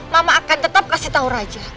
mama akan tetap kasih tahu raja